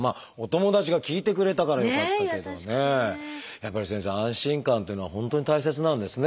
やっぱり先生安心感っていうのは本当に大切なんですね。